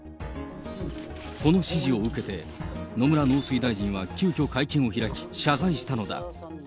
この指示を受けて、野村農水大臣は急きょ、会見を開き、謝罪したのだ。